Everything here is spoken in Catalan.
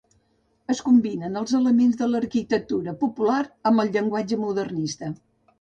Es combinen els elements de l'arquitectura popular amb el llenguatge modernista.